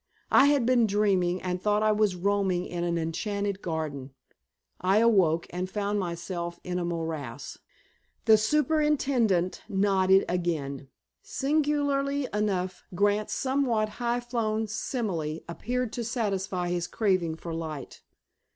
I had been dreaming, and thought I was roaming in an enchanted garden. I awoke, and found myself in a morass." The superintendent nodded again. Singularly enough, Grant's somewhat high flown simile appeared to satisfy his craving for light.